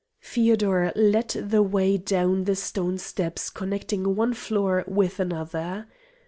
Feodor led the way down the stone steps connecting one floor with another.